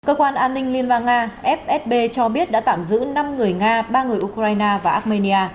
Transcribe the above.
cơ quan an ninh liên bang nga fsb cho biết đã tạm giữ năm người nga ba người ukraine và armenia